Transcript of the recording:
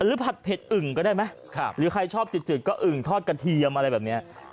หรือผัดเพชรอึ่งก็ได้ไหม